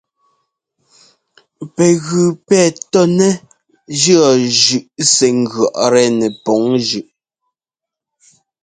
Pɛgʉ pɛ tɔ́nɛ nɛ jʉɔ́ zʉꞌ sɛ́ ŋgʉ̈ɔꞌtɛ nɛpɔŋ zʉꞌ.